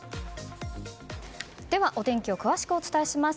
では、お天気を詳しくお伝えします。